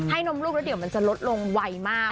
นมลูกแล้วเดี๋ยวมันจะลดลงไวมาก